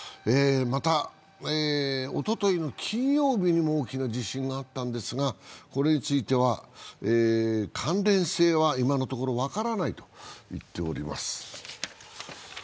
また、おとといの金曜日にも大きな地震があったんですがこれについては関連性は今のところ分からないと言っております。